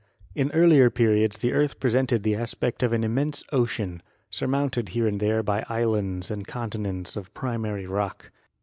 In earlier periods the earth presented the aspect of an immense ocean, surmounted here and there by islands and continents of primary rock.